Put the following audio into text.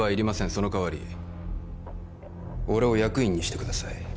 その代わり俺を役員にしてください